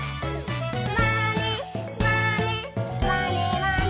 「まねまねまねまね」